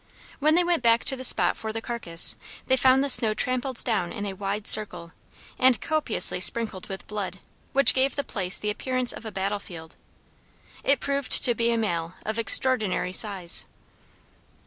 When they went back to the spot for the carcass, they found the snow trampled down in a wide circle, and copiously sprinkled with blood, which gave the place the appearance of a battle field. It proved to be a male of extraordinary size.